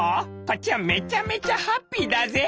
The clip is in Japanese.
こっちはめちゃめちゃハッピーだぜ」。